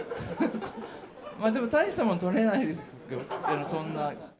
でも大したもん撮れないですよ、そんな。